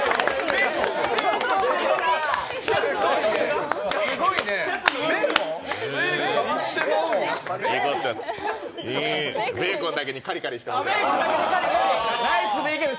いい、ベーコンだけにカリカリしてる。